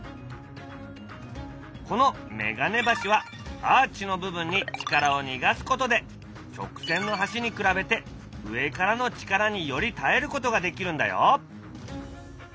この眼鏡橋はアーチの部分に力を逃がすことで直線の橋に比べて上からの力により耐えることができるんだよ。